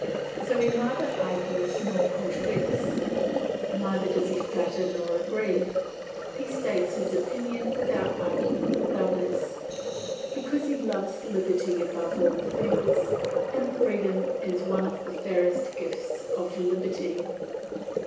So he neither argues nor contradicts; neither does he flatter nor agree; he states his opinion without arguing with others, because he loves liberty above all things, and freedom is one of the fairest gifts of liberty.